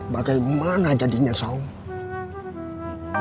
bagaimana jadinya saum